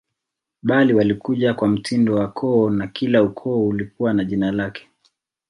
Bali walikuja kwa mtindo wa koo na kila ukoo ulikuwa na jina lake